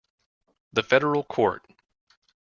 The federal court.